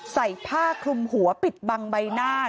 ใส่ผ้าคลุมหัวปิดบังใบหน้า